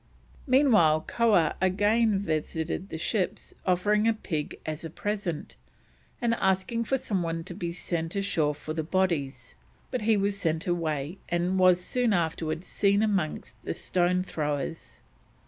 Meanwhile Koah again visited the ships, offering a pig as a present, and asking for someone to be sent ashore for the bodies; but he was sent away, and was soon afterwards seen amongst the stone throwers.